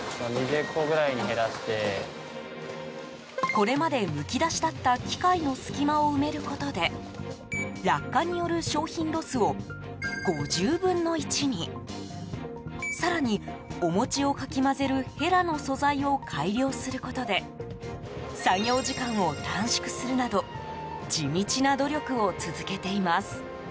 これまで、むき出しだった機械の隙間を埋めることで落下による商品ロスを５０分の１に。更に、お餅をかき混ぜるヘラの素材を改良することで作業時間を短縮するなど地道な努力を続けています。